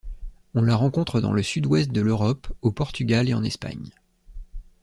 On la rencontre dans le sud-ouest de l'Europe, au Portugal et en Espagne.